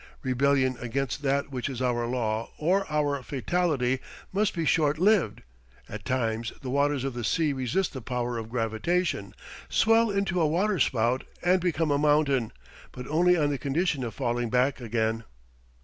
Rebellion against that which is our law or our fatality must be short lived; at times the waters of the sea resist the power of gravitation, swell into a waterspout and become a mountain, but only on the condition of falling back again.